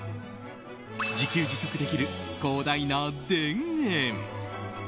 自給自足できる広大な田園。